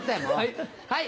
はい！